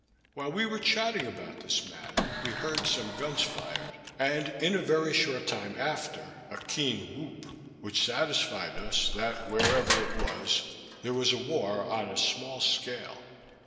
While we were chatting about this matter, we heard some guns fired, and in a very short time after a keen whoop, which satisfied us, that whereever it was, there was war on a small scale.